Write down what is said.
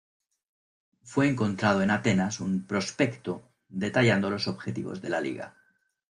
Fue encontrado en Atenas un "prospecto" detallando los objetivos de la liga.